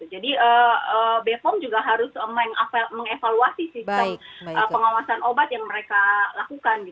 jadi bepom juga harus mengevaluasi sistem pengawasan obat yang mereka lakukan